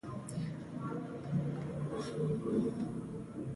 په منډه له کوټې څخه ووته.